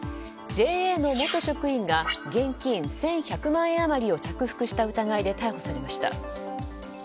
ＪＡの元職員が現金１７００円余りを着服した疑いで逮捕されました。